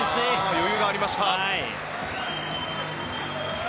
余裕がありました。